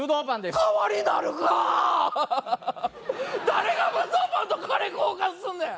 誰がブドウパンとカレー交換すんねん！